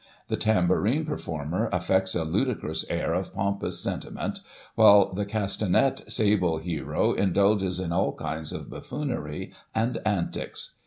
The tambourine performer affects a ludicrous air of pompous sentiment, while the castanet sable hero indulges in all kinds of buffoonery and antics.